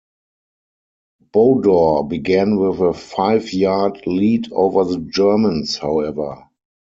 Bodor began with a five-yard lead over the Germans, however.